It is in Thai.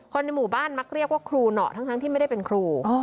ในหมู่บ้านมักเรียกว่าครูเหนาะทั้งที่ไม่ได้เป็นครู